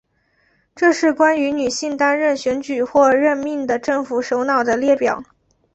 这是关于女性担任选举或者任命的政府首脑的列表。